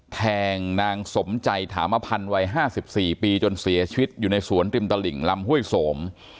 แทงนางสมใจถามภัณฑ์ไว้ห้าสิบสี่ปีจนเสียชีวิตอยู่ในสวนทริมตะหลิงลำห่วยสม